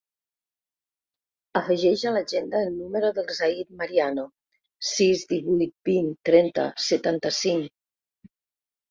Afegeix a l'agenda el número del Zaid Mariano: sis, divuit, vint, trenta, setanta-cinc.